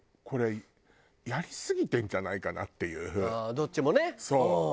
どっちもねうん。